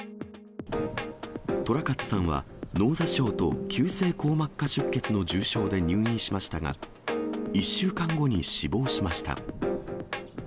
寅勝さんは脳挫傷と急性硬膜下出血の重傷で入院しましたが、１週間後に死亡しました。